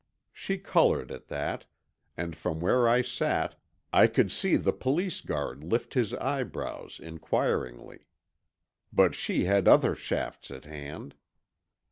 She colored at that, and from where I sat I could see the Police guard lift his eyebrows inquiringly. But she had other shafts at hand.